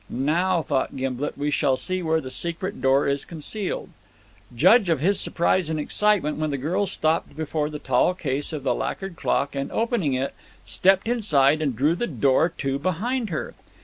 "Now," thought Gimblet, "we shall see where the secret door is concealed." Judge of his surprise and excitement, when the girl stopped before the tall case of the lacquered clock and, opening it, stepped inside and drew the door to behind her.